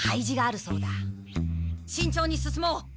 慎重に進もう。